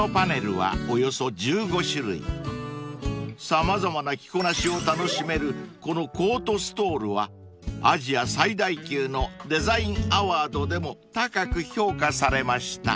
［様々な着こなしを楽しめるこのコートストールはアジア最大級のデザインアワードでも高く評価されました］